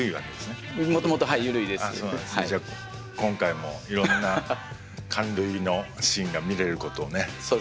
じゃあ今回もいろんな感涙のシーンが見れることをね。